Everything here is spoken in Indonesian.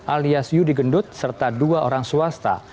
alias yudi gendut serta dua orang swasta